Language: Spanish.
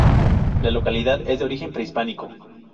La localidad es de origen prehispánico.